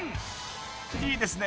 いいですね